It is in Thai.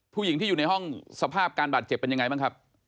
ผู้หญิงที่อยู่ในห้องสภาพการบาดเจ็บเป็นยังไงบ้างครับ